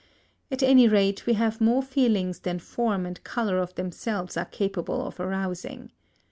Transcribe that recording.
at any rate we have more feelings than form and colour of themselves are capable of arousing.